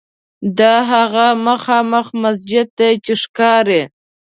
دا هغه مخامخ مسجد دی چې ښکاري.